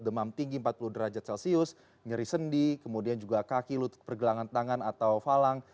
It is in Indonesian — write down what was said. demam tinggi empat puluh derajat celcius nyeri sendi kemudian juga kaki lutut pergelangan tangan atau falang